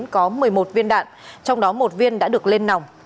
có một mươi một viên đạn trong đó một viên đã được lên nòng